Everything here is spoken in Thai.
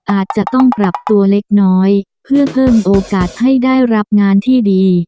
อาจจะต้องปรับตัวเล็กน้อยเพื่อเพิ่มโอกาสให้ได้รับงานที่ดี